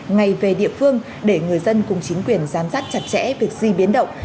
ngay về địa phương để người dân cùng chính quyền giám sát chặt chẽ việc di biến động